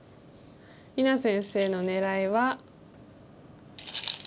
里菜先生の狙いは。